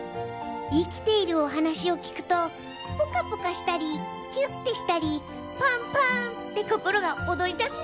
生きているおはなしを聞くとポカポカしたりキュッてしたりぽんぽん！って心がおどりだすんだぽん。